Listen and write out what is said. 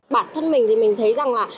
bản thân mình thì mình thấy rằng là